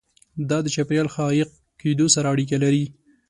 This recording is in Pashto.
دا د چاپیریال ښه عایق کېدو سره اړیکه لري.